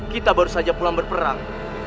kita baru saja pulang berperang